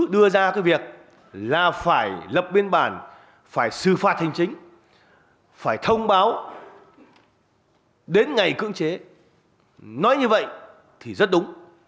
đến ngày cưỡng chế nói như vậy thì rất đúng